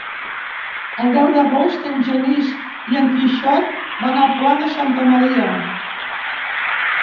El deu d'agost en Genís i en Quixot van al Pla de Santa Maria.